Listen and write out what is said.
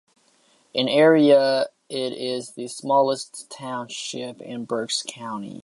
In area it is the smallest township in Berks County.